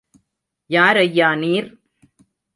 யார் ஐயா, நீர்?